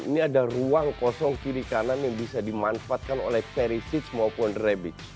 ini ada ruang kosong kiri kanan yang bisa dimanfaatkan oleh ferris hitch maupun rebic